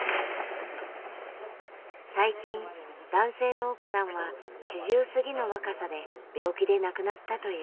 最近男性の奥さんは四十過ぎの若さで病気で亡くなったという。